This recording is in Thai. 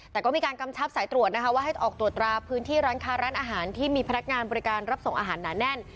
แต่ก็มีการกำชับสายตรวจนะคะว่าให้ออกตรวจตราพื้นที่ร้านค้าร้านอาหารที่มีพนักงานบริการรับส่งอาหารหนาแน่น